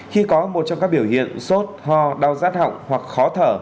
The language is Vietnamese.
khi có một trong các biểu hiện sốt ho đau rát họng hoặc khó thở